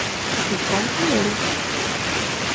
Que conte el.